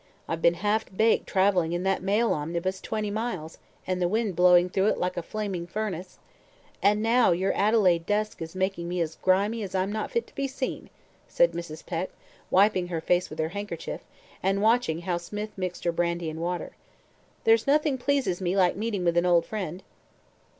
I've been half baked travelling in that mail omnibus twenty miles, and the wind blowing through it like a flaming furnace; and now your Adelaide dust is making me as grimy as I'm not fit to be seen," said Mrs. Peck, wiping her face with her handkerchief, and watching how Smith mixed her brandy and water. "There's nothing pleases me like meeting with an old friend."